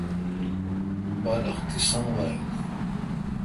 بالخ تی سنگ وا این